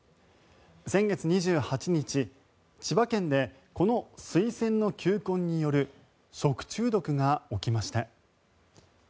先月２８日、千葉県でこのスイセンの球根による食中毒が起きました。